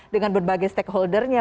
dengan berbagai stakeholder nya